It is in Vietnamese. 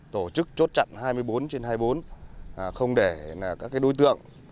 tổ chức chốt chặn hai mươi bốn trên hai mươi bốn không để các đối tượng